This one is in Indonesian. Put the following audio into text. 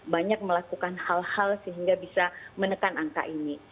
banyak melakukan hal hal sehingga bisa menekan angka ini